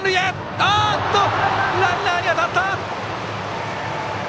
ランナーに当たった！